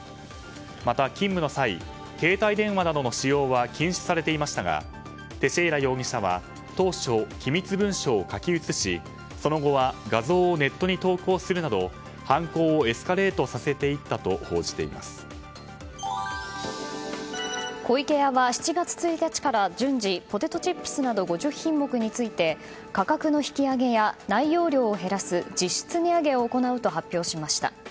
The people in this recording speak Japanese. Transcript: また勤務の際、携帯電話などの使用は禁止されていましたがテシェイラ容疑者は当初、機密文書を書き写しその後は画像をネットに投稿するなど犯行をエスカレートさせていったと湖池屋は７月１日から順次順次ポテトチップスなど５０品目について価格の引き上げや内容量を減らす実質値上げを行うと発表しました。